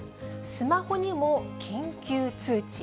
スマホにも緊急通知。